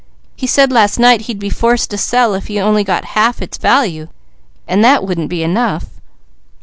He said last night he'd be forced to sell if he only got half its value, and that wouldn't be enough."